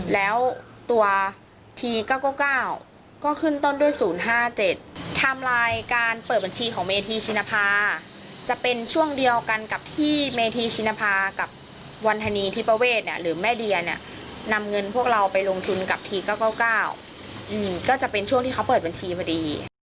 แล้วตัวทีเก้าเก้าเก้าก็ขึ้นต้นด้วยศูนย์ห้าเจ็ดไทม์ไลน์การเปิดบัญชีของเมธีชินภาจะเป็นช่วงเดียวกันกับที่เมธีชินภากับวรรณีที่ประเวทเนี้ยหรือแม่เดียเนี้ยนำเงินพวกเราไปลงทุนกับทีเก้าเก้าเก้าอืมก็จะเป็นช่วงที่เขาเปิดบัญชีพอดี